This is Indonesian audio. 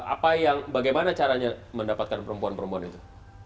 apa yang bagaimana caranya mendapatkan perempuan perempuan itu